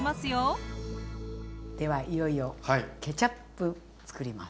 ではいよいよケチャップつくります。